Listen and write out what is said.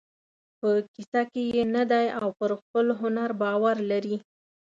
په کیسه کې یې نه دی او پر خپل هنر باور لري.